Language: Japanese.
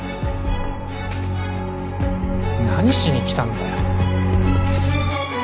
何しにきたんだよ？